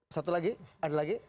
satu lagi ada lagi